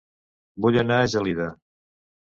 Vull anar a Gelida